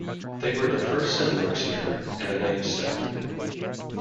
They were the first settlers here and the name stuck.